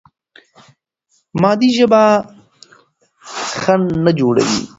مادي ژبه خنډ نه جوړوي.